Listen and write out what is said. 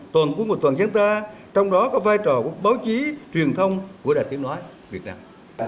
toàn quân của toàn dân ta trong đó có vai trò của báo chí truyền thông của đài tiếng nói việt nam